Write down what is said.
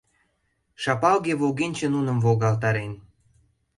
Шапалге волгенче нуным волгалтарен.